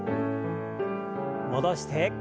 戻して。